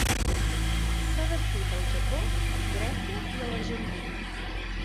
S'ha descrit al Japó, Grècia i a l'Argentina.